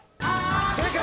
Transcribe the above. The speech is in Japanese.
正解！